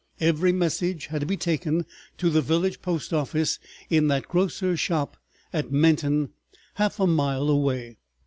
Every message had to be taken to the village post office in that grocer's shop at Menton, half a mile away.